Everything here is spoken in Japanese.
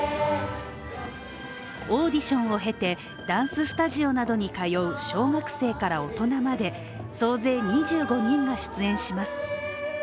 オーディションを経て、ダンススタジオなどに通う、小学生から大人まで総勢２５人が出演します。